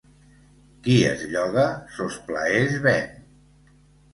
Qui es lloga sos plaers ven.